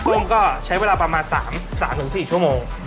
กุ้งก็ใช้เวลาประมาณ๓๔ชั่วโมง